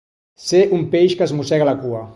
Ser un peix que es mossega la cua.